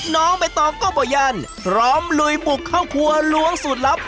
น้องใบตองก็บ่ยันพร้อมลุยบุกเข้าครัวล้วงสูตรลับ